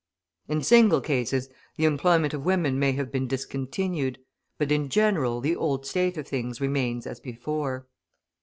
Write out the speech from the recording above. In single cases the employment of women may have been discontinued, but in general the old state of things remains as before.